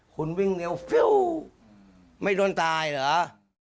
คุณวิ่งเหนียวฟิวไม่โดนตายเหรอ